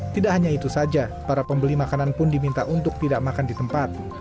tidak hanya itu saja para pembeli makanan pun diminta untuk tidak makan di tempat